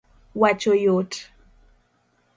wacho yot